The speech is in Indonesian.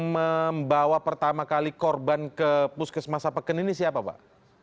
membawa pertama kali korban ke puskesmas sapeken ini siapa pak